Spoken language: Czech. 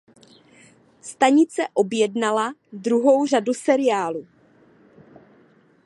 Stanice objednala druhou řadu seriálu.